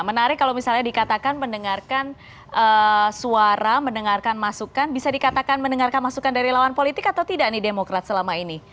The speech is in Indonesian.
menarik kalau misalnya dikatakan mendengarkan suara mendengarkan masukan bisa dikatakan mendengarkan masukan dari lawan politik atau tidak nih demokrat selama ini